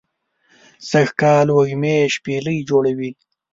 سږ کال وږمې شپیلۍ جوړوی